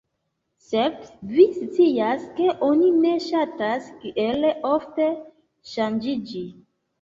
Sed vi scias ke oni ne ŝatas tiel ofte ŝanĝiĝi.